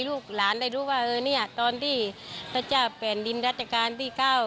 ลูกหลานได้ดูว่าตอนที่ประชาแผนดินรัชการที่๙